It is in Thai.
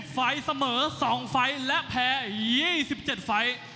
๖๐ฝ่ายเสมอ๒ฝ่ายและแพ้๒๗ฝ่าย